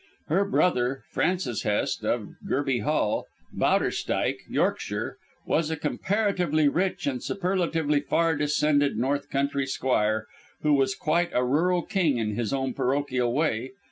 Her brother, Francis Hest, of Gerby Hall, Bowderstyke, Yorkshire, was a comparatively rich and superlatively far descended north country squire, who was quite a rural king in his own parochial way.